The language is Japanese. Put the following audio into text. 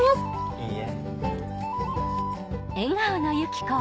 いいえ。